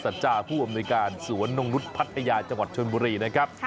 จาผู้อำนวยการสวนนงนุษย์พัทยาจังหวัดชนบุรีนะครับ